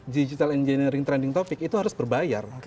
digital engineering trending topic itu harus berbayar